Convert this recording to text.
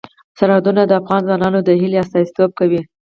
سرحدونه د افغان ځوانانو د هیلو استازیتوب کوي.